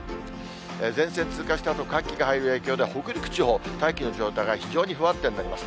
前線通過したあと、寒気が入る影響で、北陸地方、大気の状態が非常に不安定になります。